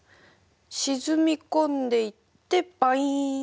沈み込んでいってバイン！